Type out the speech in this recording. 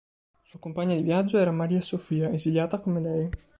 Sua compagna di viaggio era Maria Sofia, esiliata come lei.